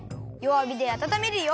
わびであたためるよ。